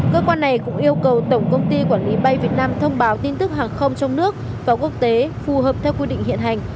cơ quan này cũng yêu cầu tổng công ty quản lý bay việt nam thông báo tin tức hàng không trong nước và quốc tế phù hợp theo quy định hiện hành